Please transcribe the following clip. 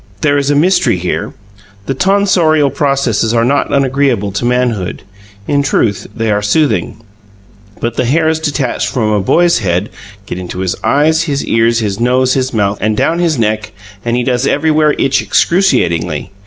There is a mystery here: the tonsorial processes are not unagreeable to manhood; in truth, they are soothing; but the hairs detached from a boy's head get into his eyes, his ears, his nose, his mouth, and down his neck, and he does everywhere itch excruciatingly.